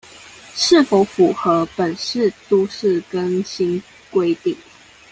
是否符合本市都市更新規定